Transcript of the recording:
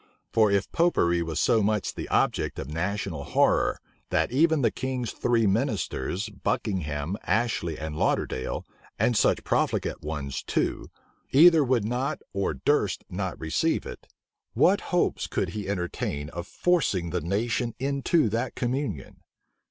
For if Popery was so much the object of national horror, that even the king's three ministers, Buckingham, Ashley, and Lauderdale, and such profligate ones, too, either would not or durst not receive it, what hopes could he entertain of forcing the nation into that communion?